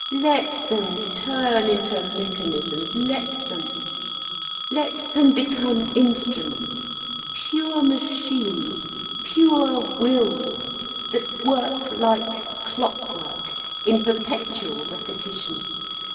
Let them turn into mechanisms, let them. Let them become instruments, pure machines, pure wills, that work like clock work, in perpetual repetition.